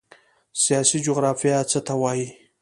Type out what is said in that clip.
سیاسي جغرافیه څه ته وایي؟